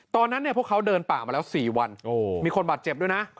ตอนนั้นพวกเขาเดินป่ามาแล้ว๔วันมีคนบาดเจ็บด้วยนะ